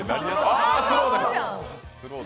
ああ、スローで。